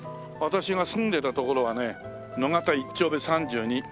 私が住んでたところはね野方一丁目３２。